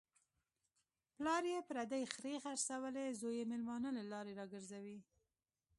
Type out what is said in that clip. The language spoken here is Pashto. پلار یې پردۍ خرې خرڅولې، زوی یې مېلمانه له لارې را گرځوي.